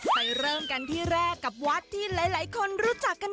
ไปเริ่มกันที่แรกกับวัดที่หลายคนรู้จักกัน